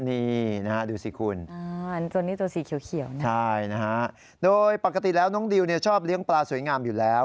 นี่นะครับดูสิคุณใช่นะครับโดยปกติแล้วน้องดิวชอบเลี้ยงปลาสวยงามอยู่แล้ว